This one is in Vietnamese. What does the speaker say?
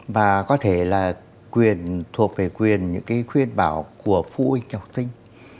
và có thể là quyền thuộc về quyền những cái khuyên bảo của phụ huynh học sinh